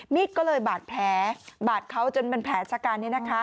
ก็เลยบาดแผลบาดเขาจนมันแผลชะกัน